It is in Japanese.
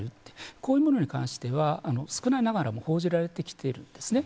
こういうものに関しては少ないながらも報じられてきているんですね。